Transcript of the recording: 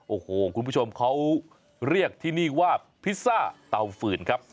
โอ้โหคุณผู้ชมเขาเรียกที่นี่ว่าพิซซ่าเตาฟืนครับ